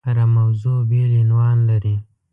هره موضوع بېل عنوان لري.